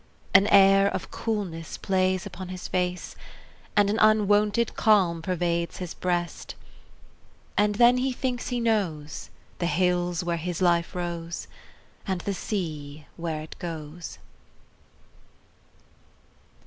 An air of coolness plays upon his face, And an unwonted calm pervades his breast. And then he thinks he knows The hills where his life rose And the sea where it goes.